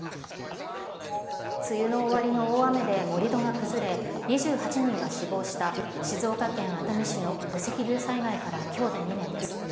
梅雨の終わりの大雨で盛り土が崩れ、２８人が死亡した静岡県熱海市の土石流災害からきょうで２年です。